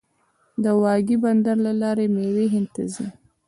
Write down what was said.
د واګې بندر له لارې میوې هند ته ځي.